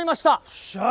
よっしゃー。